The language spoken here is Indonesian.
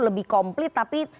lebih komplit tapi